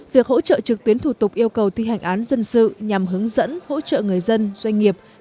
việc hỗ trợ trực tuyến thủ tục yêu cầu thi hành án dân sự nhằm hướng dẫn hỗ trợ người dân doanh nghiệp